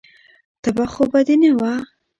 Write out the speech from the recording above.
تبه خو به دې نه وه.